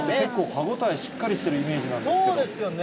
歯応えしっかりしてるイメーそうですよね。